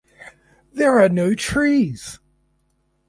There are no trees.